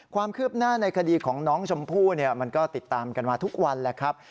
ความคืบหน้าในคดีของน้องชมพู่มันก็ติดตามกันมาทุกวันแหละครับ